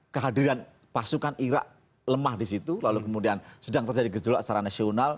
kehadiran pasukan irak lemah di situ lalu kemudian sedang terjadi gejolak secara nasional